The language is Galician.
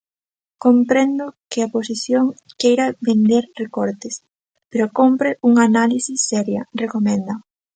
"Comprendo que a oposición queira vender recortes", pero cómpre "unha análise seria", recomenda.